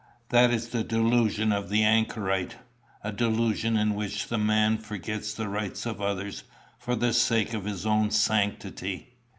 That is the delusion of the anchorite a delusion in which the man forgets the rights of others for the sake of his own sanctity."